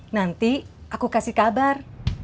nanti aku kasih kabar